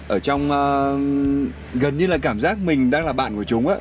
ở trong gần như là cảm giác mình đang là bạn của chúng